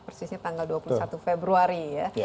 persisnya tanggal dua puluh satu februari ya